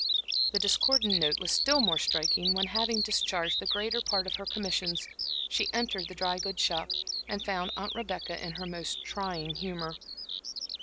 The discordant note was still more striking when, having discharged the greater part of her commissions, she entered the dry goods shop, and found Aunt Rebecca in her most trying humor.